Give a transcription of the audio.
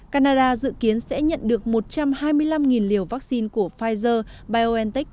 canada dự kiến sẽ nhận được một trăm hai mươi năm liều vaccine của pfizer biontech